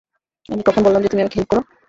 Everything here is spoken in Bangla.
আমি কখন বললাম যে তুমি আমাকে হেল্প করো?